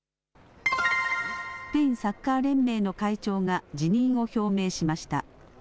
スペインサッカー連盟の会長が辞任を表明しました。